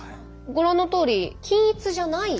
ご覧のとおり均一じゃない。